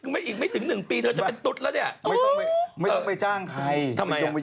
ไม่ต้องไปจ้างใครไม่ต้องไปยิงทำไม